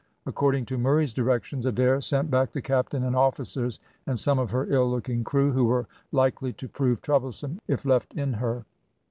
According to Murray's directions, Adair sent back the captain and officers and some of her ill looking crew, who were likely to prove troublesome if left in her.